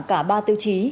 cả ba tiêu chí